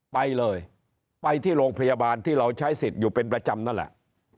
ไปเลยไปที่โรงพยาบาลที่เราใช้สิทธิ์อยู่เป็นประจำนั่นแหละ